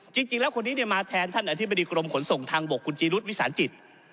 จริงแล้วคนนี้มาแทนท่านอธิบดีกรมขนส่งทางบกคุณจีรุษวิสานจิต